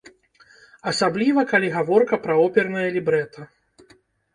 Асабліва калі гаворка пра опернае лібрэта.